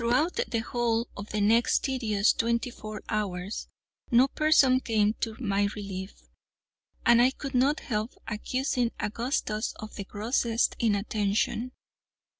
Throughout the whole of the next tedious twenty four hours no person came to my relief, and I could not help accusing Augustus of the grossest inattention.